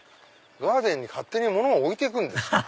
ガーデンに勝手に物を置いてくんですから。